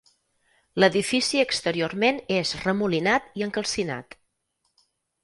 L’edifici exteriorment és remolinat i encalcinat.